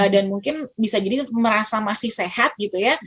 dan mungkin bisa jadi merasa masih sehat gitu ya